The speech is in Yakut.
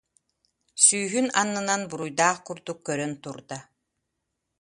сүүһүн аннынан буруйдаах курдук көрөн турда